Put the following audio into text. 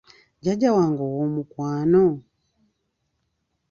Jjajja wange owoomukwano?